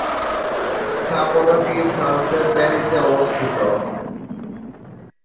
স্থাপনাটি ফ্রান্সের প্যারিসে অবস্থিত।